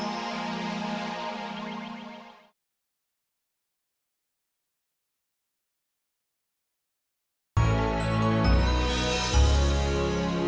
ternyata kan aku saiteng ga ngikutin cucu